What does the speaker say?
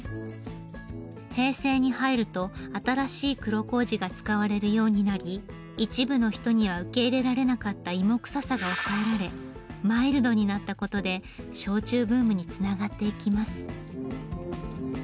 平成に入ると新しい黒麹が使われるようになり一部の人には受け入れられなかった芋くささが抑えられマイルドになった事で焼酎ブームにつながっていきます。